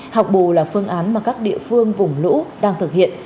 học bù là phương án mà các địa phương vùng lũ đang thực hiện